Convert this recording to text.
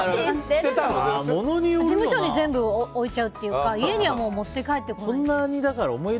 事務所に全部置いちゃうというか家にはもう持って帰ってこない。